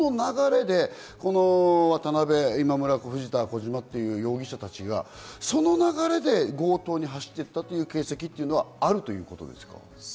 その流れで渡辺、今村、藤田、小島という容疑者達がその流れで強盗に走っていった形跡はあるということですか？